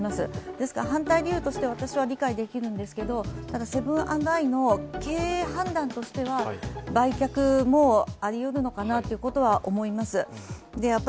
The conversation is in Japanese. ですから、反対理由としては私は理解できるんですけど、私はセブン＆アイの経営判断としては、売却もありうるのかなということは思います。